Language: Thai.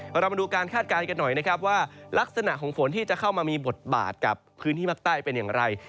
เรามาดูการคาดการณ์กันหน่อยนะครับว่าลักษณะของฝนที่จะเข้ามามีบทบาทกับพื้นที่ภาคใต้เป็นอย่างไร